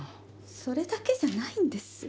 それだけじゃないんです。